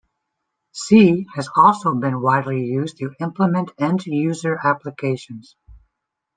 C has also been widely used to implement end-user applications.